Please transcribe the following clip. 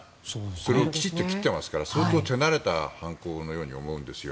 これをきちんと切っていますから相当手慣れた犯行のように思うんですよ。